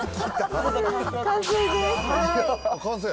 完成です。